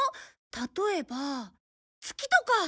例えば月とか。